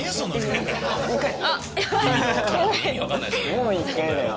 もう１回だよ。